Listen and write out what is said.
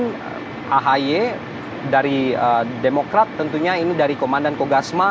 dari ahi dari demokrat tentunya ini dari komandan kogasman